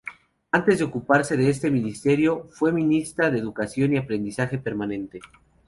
Antes de ocuparse de este ministerio fue Ministra de educación y aprendizaje permanente.